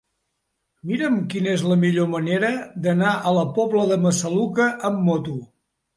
Mira'm quina és la millor manera d'anar a la Pobla de Massaluca amb moto.